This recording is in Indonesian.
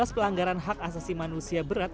dua belas pelanggaran hak asasi manusia berat